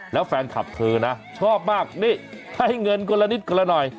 แล้วแฟนคลับเธอนะชอบมากนี่ให้เงินคนละนิดคนละหน่อย